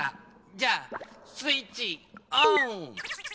じゃあスイッチオン！